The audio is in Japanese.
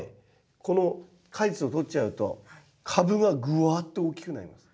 この果実を取っちゃうと株がぐわっと大きくなります。